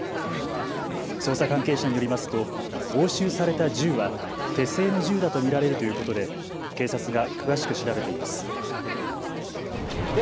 捜査関係者によりますと押収された銃は手製の銃だと見られるということで警察が詳しく調べています。